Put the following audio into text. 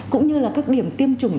cũng như là các điểm tiêm chủng